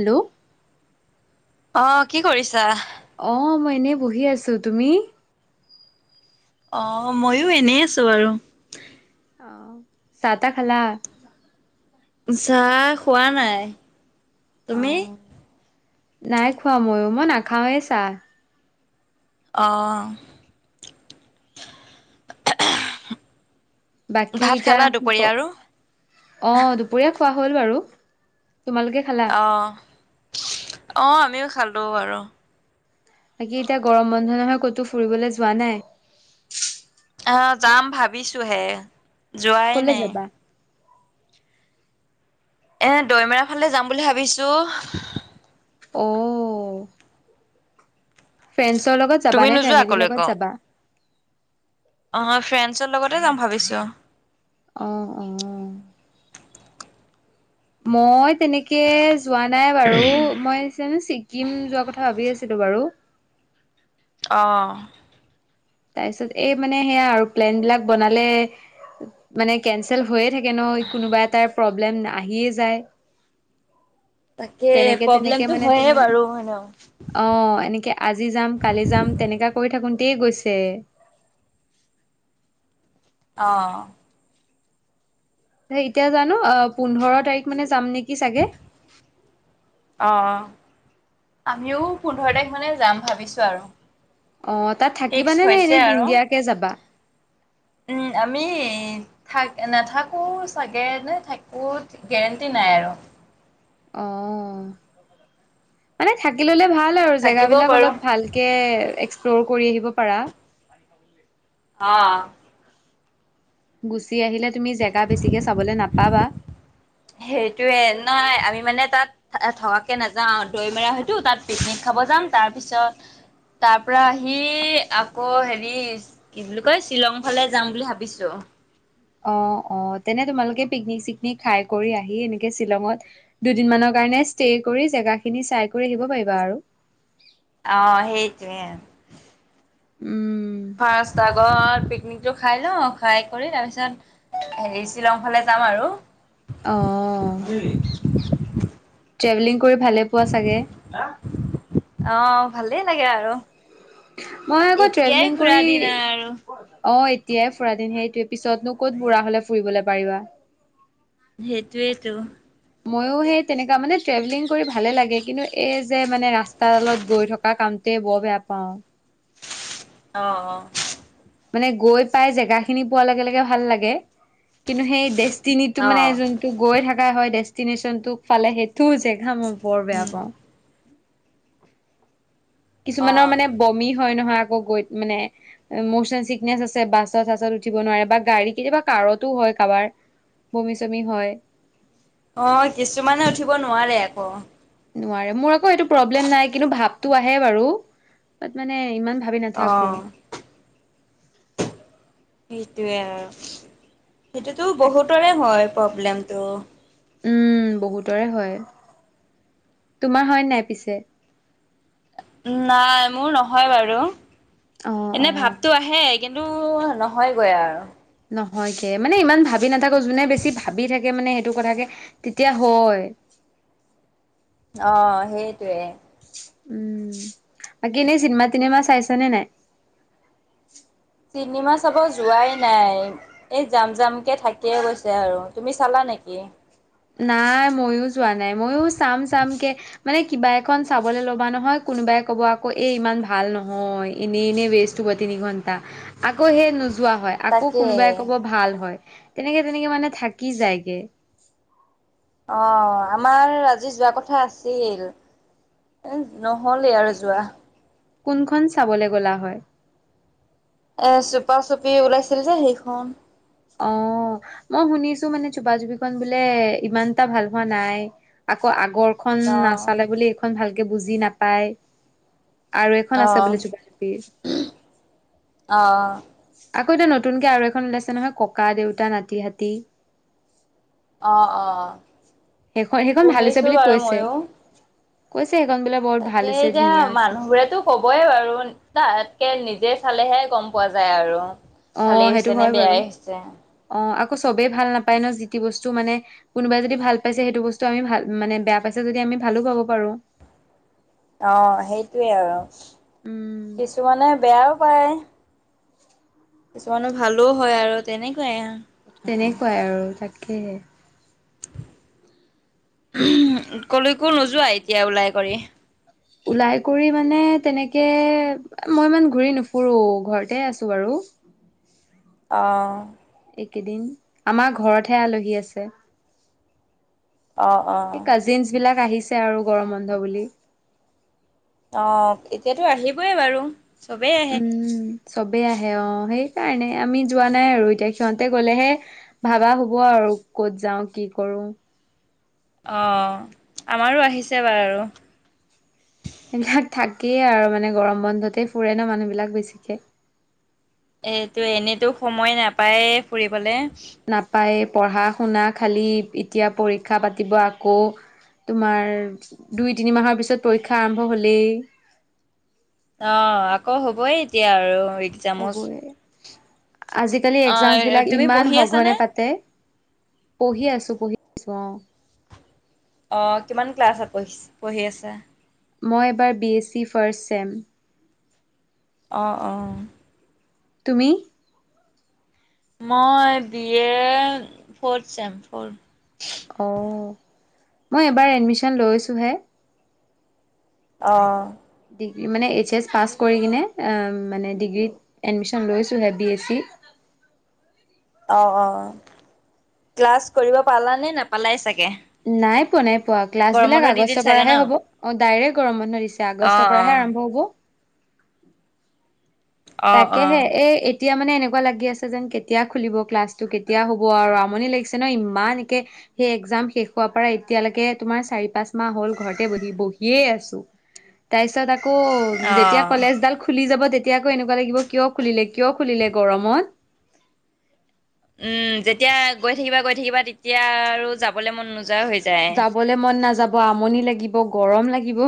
Hello. অ, কি কৰিছা? অ মই এনেই বহি আছো। তুমি? অ মইয়ো এনেই আছো বাৰু। অ চাহ তাহ খালা? চাহ খোৱা নাই। অ তুমি? নাই খোৱা ময়ো। মই নাখাওঁৱেই চাহ। অহ। বাকী ভাত এতিয়া খালা ক দুপৰীয়া আৰু অ দুপৰীয়া খোৱা হ'ল বাৰু। তোমালোকে খালা অহ, অ আমিও খালো আৰু। বাকী এতিয়া গৰম বন্ধ নহয়, ক'তো ফুৰিবলৈ যোৱা নাই। অঁ যাম ভাবিছোঁহে যোৱাই কলে নাই। যাবা এ দৈমেৰা ফালে যাম বুলি ভাবিছো। অ'। ফ্ৰেণ্ডছৰ লগত যাবা তুমি নে নোযোৱা ফেমিলিৰ কলৈকো লগত যাবা। অ ফ্ৰেণ্ডছৰ লগতে যাম ভাবিছো। অহ, অহ মই তেনেকে যোৱা নাই বাৰু মই। জানো ছিকিম যোৱা কথা ভাবি আছিলো বাৰু। অ তাৰ পিছত এই মানে সেয়া আৰু প্লেন বিলাক বনালে। মানে কেঞ্চেল হৈয়ে থাকে ন কোনোবা এটাৰ প্ৰব্লেম আহিয়ে যায়। তাকে তেনেকে প্ৰব্লেমতটো হয়ে বাৰু হয়নে। অঁ এনেকে আজি যাম কালি যাম তেনেকা কৈ থাকোতে গৈছে। অঁ এতিয়া জানো অ পোন্ধৰ তাৰিখ মানে যাম নেকি চাগে। অঁ অ। আমিও পোন্ধৰ তাৰিখ মানে যাম ভাবিছো আৰু। অ তাত ফিক্স থাকিবানে নে হৈছে এনেই আৰু দিনদিয়াকে যাবা। উম আমি থাক নাথাকো চাগে নে থাকো। গেৰেণ্টি নাই আৰু। অ, মানে থাকি ললে ভাল আৰু থাকিবও জেগাবিলাক পাৰো। অলপ ভাল। কে এক্সপ্ল'ৰ কৰি আহিব পাৰা। হা গুচি আহিলে তুমি জেগা বেছিকে চাবলৈ নাপাবা। সেইটোয়ে নাই আমি মানে তাত- থকাকে নাযাওঁ দৈমেৰা হয়তো তাত পিকনিক খাব যাম তাৰ পিছত- তাৰ পৰা আহি আকৌ হেৰি- কি বুলি কয় শ্বিলং ফালে যাম বুলি ভাবিছো। অ অ তেনে তোমালোকে পিকনিক চিকনিক খাই কৰি আহি এনেকে শ্বিলঙত। দুদিনমানৰ কাৰণে ষ্টে কৰি জেগাখিনি চাই কৰি আহিব পাৰিবা আৰু। অ‍ঁ সেইটোৱে। উম ফাৰ্ষ্ট আগত পিকনিকটো খাই লওঁ খাই কৰি তাৰপিছত। হেৰি শ্বিলং ফালে যাম আৰু। অ ট্ৰেভেলিং কৰি ভালে পোৱা চাগে। অঁ ভালেই লাগে আৰু। মই আকৌ এতিয়াই ট্ৰেভেলিং ঘূৰা কৰি দিন আৰু। অ- এতিয়াই ফুৰাদিন সেইটোৱে পিছতনো কত বুঢ়া হলে ফুৰিবলে পাৰিবা। সেইটোৱেটো। মইও সেই তেনেকুৱা মানে ট্ৰেভেলিং কৰি ভালে লাগে কিন্তু এই যে মানে ৰাস্তালত গৈ থ- তাৰ কামতোয়ে বৰ বেয়া পাওঁ। অঁ অঁ মানে গৈ পাই জেগা খিনি পোৱাৰ লগে লগে ভাল লাগে, কিন্তু সেই ডেষ্টিনটো মানে অ'। যোন- টো গৈ থাকাই হয় ডেষ্টিনেশচনটো ফালে সেইটো জেগা মই বৰ বেয়া উম। পাওঁ। কিছুমানৰ অ', মানে বমি হয় নহয় আকৌ গৈ ত মানে। মচন চিকনেচ আছে বাছত চাছত উঠিব নোৱাৰে বা গাড়ী কেতিয়াবা কাৰতো হয় কাৰোবাৰ। বমি চমি হয়। অ কিছুমানে উঠিব নোৱাৰে আকৌ। নোৱাৰে মোৰ আকৌ এইটো প্ৰব্লেম নাই কিন্তু ভাৱটো আহে বাৰু বাত মানে ইমান। ভাবি অ নাথাকো সেইটোৱে আৰু সেইটোতো বহুতৰে হয় প্ৰব্লেমতটো। উম বহুতৰে হয় তোমাৰ হয় নাই পিছে। নাই মোৰ নহয় বাৰু অ অ এনে ভাৱটো আহে। কিন্তু নহয়গৈ আৰু। নহয় কে মানে ইমান ভাবি নাথাকো যোনে বেছি ভাবি থাকে মানে সেইটো কথাকে তেতিয়া হয়। অ সেইটোৱে। উম বাকী এনেই চিনেমা তিনিমা চাইছ নে নাই। চিনেমা চাব যোৱাই নাই। এই যাম জাম কে থাকিয়ে গৈছে আৰু তুমি চালা নেকি। নাই ময়ো যোৱা নাই ময়ো চাম চামকে। মানে কিবা এখন চাবলে ল'বা নহয় কোনোবাই ক'ব আকৌ এ ইমান ভাল নহয় এনেই এনেই ৱেষ্ট, [unintelligible] তিনি ঘন্টা আকৌ সে নোযোৱা হয়। আকৌ তাকে কোনোবাই ক'ব ভাল হয় তেনেকে তেনেকে মানে থাকি যায়গে। অ আমাৰ আজি যোৱা কথা আছিল। নহ'লেই আৰু যোৱা। কোনখন চাবলৈ গ'লা হয়। এ চুপা চুপি ওলাইছিল যে সেইখন। অ মই শুনিছো মানে চুপা চুপিখন বোলে ইমান এটা ভাল হোৱা নাই। আকৌ আগৰখন আহ নাচালে বুলি এইখন ভালকে বুজি নাপায়। আৰু এখন আছে আহ বোলে চুপা চুপি। আহ আকৌ এতিয়া নতুনকে আৰু এখন ওলাইছে নহয় ককা দেউতা নাতি হাতী। অ অ সেইখন সেইখন ভাল হৈছে শুনিছো বুলি বাৰু কৈছে ময়ো। কৈছে সেইখন বৰ তাকে ভাল হৈছে এতিয়া ধুনীয়া হৈছে। মানুহবোৰেতো ক'বই বাৰু তাতকে নিজে চালেহে গম পোৱা যায় আৰু অ ভালেই সেইটো হৈছে নে হয় বাৰু বেয়াই হৈছে অ আকৌ চবেই ভাল নাপায় ন যিটি বস্তু মানে, কোনোবাই যদি ভাল পাইছে সেইটো বস্তু আমি ভাল মানে বেয়া পাইছে যদি আমি ভালো পাব পাৰো। অ সেইটোৱে আৰু উম কিছুমানে বেয়াও পায়। কিছুমানো ভালো হয় আৰু তেনেকুৱাই আও, তেনেকুৱাই আৰু তাকেহে। কলৈকো নোযোৱা এতিয়া ওলাই কৰি। ওলাই কৰি মানে তেনেকৈ মই ইমান ঘূৰি নুফুৰোঁ ঘৰতে আছোঁ বাৰু। অ এইকেইদিন আমাৰ ঘৰতহে আলহী আছে। অ অ। জিছ বিলাক আহিছে আৰু গৰম বন্ধ বুলি। অ এতিয়াতো আহিবই বাৰু। চবেই আহে উম চবেই আহে অ সেইকাৰণে আমি যোৱা নাই আৰু এতিয়া সিহঁতে গ'লেহে। ভাবা হ'ব আৰু ক'ত যাওঁ কি কৰো। অঁ আমাৰো আহিছে বাৰু। সেইবিলাক থাকেই আৰু মানে গৰম বন্ধতেই ফুৰে ন মানুহবিলাক বেছিকে। এইটো এনেতো সময় নাপায়ে ফুৰিবলে। নাপায়ে পঢ়া শুনা খালী এতিয়া পৰীক্ষা পাতিব আকৌ। তোমাৰ দুই তিনিমাহৰ পিছত পৰীক্ষা আৰম্ভ হ'লেই। অ আকৌ হবই এতিয়া আৰু এক্সামো। হ'বয়ে, আজি, আজিকালি এক্সাম বিলাক অ' তুমি ইমান পঢ়ি আছানে? সঘনে পাতে পঢ়ি আছো পঢ়ি আছো অ। অঁ কিমান ক্লাছত পঢ়ি পঢ়ি আছা? মই এবাৰ B S C first sem. অঁ অঁ। তুমি? মই বি এ ফ্ৰথ চেম ফোৰ। অ মই এবাৰ এডমিচন লৈছো হে। অ, ডিগ্ৰী মানে এইচ এছ পাছ কৰি কিনে মানে ডিগ্ৰীত এডমিশ্যন লৈছোঁহে বি এছ চি। অ অ ক্লাছ কৰিব পালানে নাপালাই চাগে। নাই পোৱা নাই পোৱা। ক্লাছ গৰম বিলাক বন্ধ দি দিল আগষ্টৰ চাগে ন? পৰাহে হ'ব, অ ডাইৰেক্ট গৰম বন্ধ দিছে আগষ্টৰ অ' পৰাহে অ' আৰম্ভ হব। তাকেহে অ' এই এতিয়া মানে এনেকুৱা লাগি আছে যেন কেতিয়া খুলিব ক্লাছটো কেতিয়া হ'ব আৰু আমনি লাগিছে ন ইমান একে সেই একজাম শেষ হোৱাৰ পৰা এতিয়ালৈকে তোমাৰ চাৰি পাঁচ মাহ হল ঘৰতে বহি বহিয়ে আছো। তাছত আকৌ। অ' যেতিয়া অ'। কলেজডাল খুলি যাব তেতিয়া আকৌ এনেকুৱা লাগিব কিয় খুলিলে কিয় খুলিলে গৰমত। উম, যেতিয়া গৈ থাকিবা গৈ থাকিবা তেতিয়া আৰু যাবলৈ মন নোযোৱা হৈ য- যাবলৈ মন নাযাব, আমনি লাগিব, গৰম লাগিব।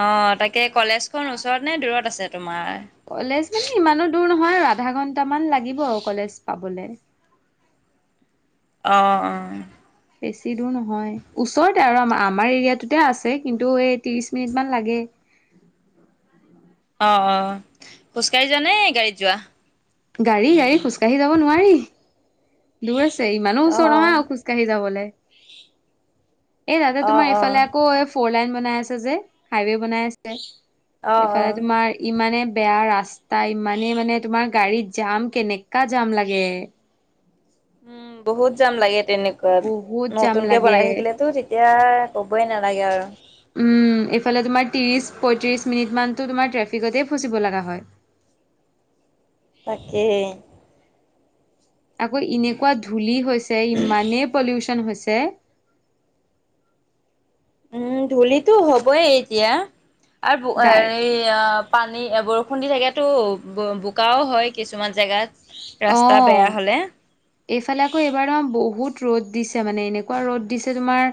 অ, তাকে কলেজখন ওচৰত নে দূৰত আছে তোমাৰ? কলেজ মানে ইমানো দূৰ নহয় আৰু আধা ঘন্টামান লাগিব কলেজ পাবলে। অ অ। বেছি দূৰ নহয়। ওচৰতে আৰু আ আমাৰ এৰিয়াটোতে আছে। কিন্তু এই ত্ৰিশ মিনিটমান লাগে। অ অ, খোজকাঢ়ি যোৱা নে গাড়ীত যোৱা? গাড়ী গাড়ী খোজকাঢ়ি যাব নোৱাৰি। দূৰ আছে ইমানো ওচৰ অহ, নহয় অ খোজ কাঢ়ি যাবলে এ দাদা অহ, তোমাৰ এইফালে অহ, আকৌ এফ- ফ'ৰ লাইন বনাই আছে যে হাইৱে বনাই আছে অহ, এইফালে অহ। তোমাৰ। ইমানে বেয়া ৰাস্তা ইমানে মানে তোমাৰ গাড়ীত জাম কেনেকা জাম লাগে। উম, বহুত জাম লাগে তেনেকুৱা বহুত জাম নতুনকে বনাই লাগে থাকিলেতো তেত- এতিয়া ক'বই নালাগে আৰু। এইফালে তোমাৰ ত্ৰিছ পঁয়ত্ৰিছ মিনিটমানতটো তোমাৰ ট্ৰেফিকতেই ফচিব লগা হয়। তাকেহে। আকৌ এনেকুৱা ধূলি হৈছে ইমানেই পলিউচন হৈছে। উম, ধূলিতো হ'বই এতিয়া আৰবো গাৰ এইয়াব পানী বৰষুণ দি থাকে তো। বোকাও হয় কিছুমান জেগাত। অ। ৰাস্তা বেয়া হ'লে। এইফালে আকৌ এইবাৰ তোমাৰ বহুত ৰ'দ দিছে মানে এনেকুৱা ৰ'দ দিছে তোমাৰ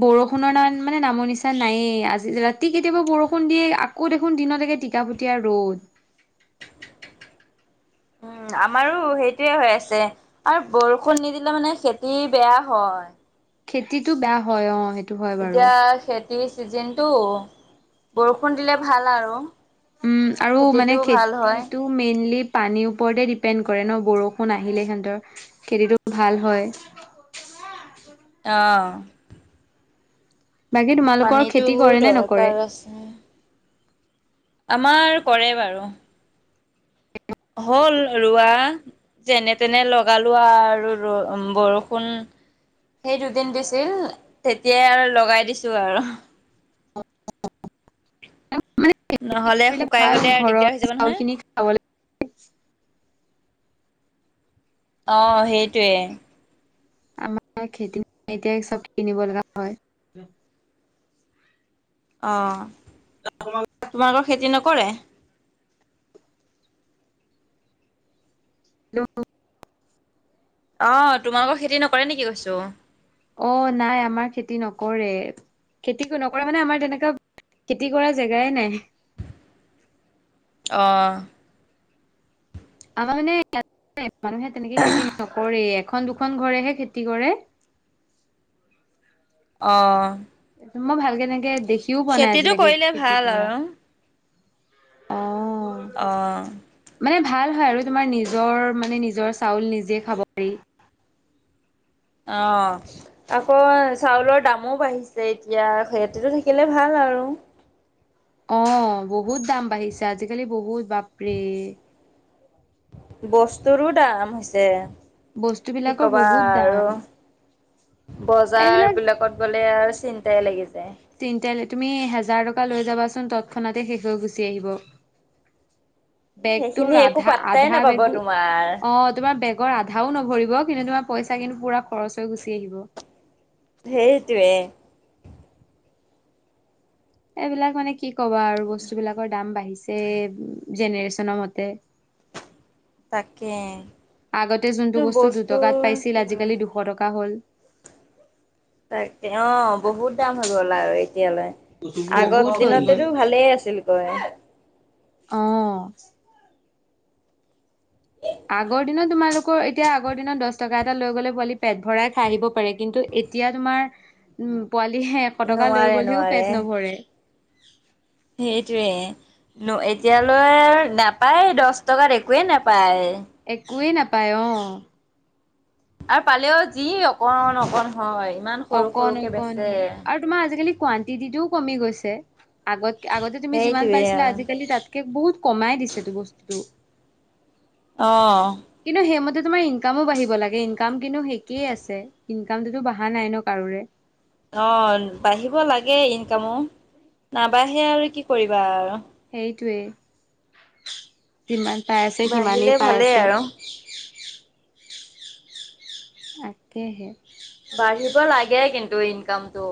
বৰষুণৰ নাম মানে নামৰ নিচা নায়ে, আজি ৰাতি কেতিয়াবা বৰষুণ দিয়ে, আক- কৌ দেখোন দিন ছকে টিকাপুটীয়া ৰ'দ। উম, আমাৰো সেইটোয়ে হৈ আছে। আৰু বৰষুণ নিদিলে মানে খেতি বেয়া হয়। খেতিটো বেয়া হয় অ সেইট- এতিয়া খেতিৰ চিজনটো বৰষুণ দিলে ভাল আৰু। উম, আৰু মানে খেতিটো ভাল হয়। খেতিটো। মেইনলি পানীৰ ওপৰতে ডিপেণ্ড কৰে ন বৰষুণ আহিলে সিহঁতৰ। খেতিতো ভাল হয়। অ। বাকী তোমালোকৰ পানীতো খেতি কৰে নে নকৰে? দৰকাৰ আছে। আমাৰ কৰে বাৰু। হ'ল ৰোৱা। যেনে তেনে লগালো আৰু ৰ বৰষুণ। সেই দুদিন দিছিল তেতিয়াই আৰু লগাই দিছো আৰু। মানে খেতি নহ'লে কৰিলে শুকাই ভাল গ'লে আৰু ঘৰৰ দিগদাৰ হৈ যাব নহয় চাউলখিনি খাব লে অঁ সেইটোৱে। আমাৰ খেতি নাই এতিয়া চব কিনিব লগা হয়। অঁ, তোমালোকৰ খেতি নকৰে? হেল্ল' অ তোমালোকৰ খেতি নকৰে নেকি কৈছো? অ নাই আমাৰ খেতি নকৰে। খেতি নকৰা মানে আমাৰ তেনেকুৱা খেতি কৰা জেগাই নাই। অঁ। আমাৰ মানে ই মানুহে তেনেকে খেতি নকৰে। এখন - দুখন ঘৰেহে খেতি কৰে। অঁ। মই ভালকে এনেকে দেখিও পোৱা নাই আজিলৈকে কৰিলে খেতি ভাল কৰা। আৰু অঁ। অঁ। মানে ভাল হয় আৰু তোমাৰ নিজৰ মানে নিজৰ চাউল নিজে খাব পাৰি। অঁ। আকৌ চাউলৰ দামো বাঢ়িছে এতিয়া খেতিটো থাকিলে ভাল আৰু। অঁ, বহুত দাম বাঢ়িছে আজিকালি বহুত বাপৰে! বস্তুৰো দাম হৈছে, বস্তু কি বিলাকৰ কবা বহুত আৰু। দাম বজাৰ এইবিলাক বিলাকত গলে আৰু চিন্তাই লাগি যায়। তিনটাই লৈ তুমি হেজাৰ টকা লৈ যাবাচোন তৎক্ষণাতে শেষ হৈ গুচি আহিব। [unintelligible] বেগটো সেইখিনি একো ৰাধা পাত্তাই আধা নাপাব বেগো তোমাৰ অঁ তোমাৰ বেগ গৰ আধাও নভৰিব কিন্তু তোমাৰ পইচা কিন্তু পুৰা খৰচ হৈ গুচি আহিব। সেইটোৱে। এইবিলাক মানে কি কবা আৰু বস্তুবিলাকৰ দাম বাঢ়িছে জেনেৰেচনৰ মতে। তাকে। আগতে যোনটো বস্তু দুটকাত পাইছিল আজিকালি দুশ টকা হ'ল। তাক অঁ বহুত দাম হৈ গল আৰু এতিয়ালৈ। আগৰ বহুত হৈ গ'ল দিনতেটো ভালেই আছিল কয়। অঁ। আগৰ দিনত তোমালোক কৌ এতিয়া আগৰ দিনত দছ টকা এটা লৈ গ'লে পোৱালি পেট ভৰাই খাই আহিব পাৰে কিন্তু এতিয়া তোমাৰ উম পোৱালি হে এশ টকা লৈ নোৱাৰে গ'লেও নোৱাৰে পেট নভৰে। সেইটোৱে। ন এতিয়ালৈ নাপায় দছ টকাত একোৱেই নাপায়। একোৱেই নাপায় অঁ। আৰু পালেও যি অকণমান অকণমান হয় ইমান সৰু অকণ সৰুকে অকণ বেচে। হয় আৰু তোমাৰ আজিকালি কুৱানটিটিও কমি গৈছে। আগত আগতে তুমি যিমান সেইটোৱে পাইছিলা আৰু আজিকালি তাত কে বহুত কমাই দিছেতো বস্তুটো। অঁহ। কিন্তু সেইমতে তোমাৰ ইনকামো বাঢ়িব লাগে ইনকাম কিন্তু একেই আছে। ইনকামটোতো বঢ়া নাই ন কাৰোৰে? অঁ, বাঢ়িব লাগে ইনকামো নাবাঢ়ে আৰু কি কৰিবা আৰু। সেইটোৱেই, যিমান পাই আছে সিমানেই বাঢ়িলে পাই ভালেই আছোঁ। আৰু, তাকেহে। বাঢ়িব লাগে কিন্তু ইনকামটো।